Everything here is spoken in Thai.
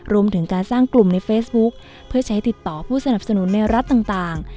รวมถึงการสร้างกลุ่มในเฟซบุ๊คเพื่อใช้ติดต่อผู้สนับสนุนในรัฐต่าง